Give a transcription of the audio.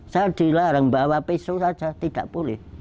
saya dilarang bawa pisau saja tidak boleh